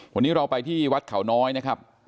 วันนี้เราไปที่วัดเขาน้อยนะครับ